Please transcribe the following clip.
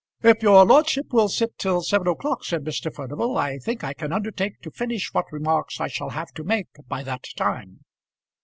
"If your lordship will sit till seven o'clock," said Mr. Furnival, "I think I can undertake to finish what remarks I shall have to make by that time."